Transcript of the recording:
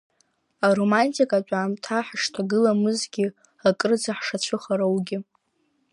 Аромантикатә аамҭа ҳашҭагыламгьы, акырӡа ҳшацәыхароугьы.